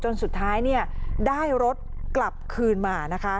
จนสุดท้ายเนี่ยได้รถกลับคืนมานะคะ